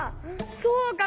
そうか。